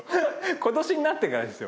今年になってからですよ。